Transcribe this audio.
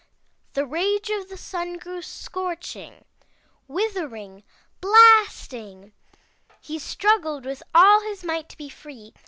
"The rage of the Sun grew scorching, withering, blasting. He 207 M Y BOOK HOUSE Struggled with all his might to be free.